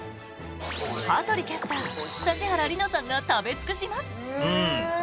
羽鳥キャスター、指原莉乃さんが食べ尽くします！